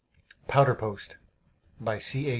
POWDER POST By C. A.